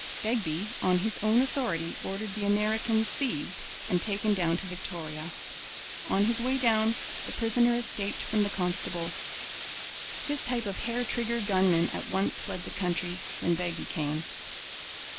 Begbie on his own authority ordered the American seized and taken down to Victoria. On his way down the prisoner escaped from the constable. This type of hair trigger gunmen at once fled the country when Begbie came.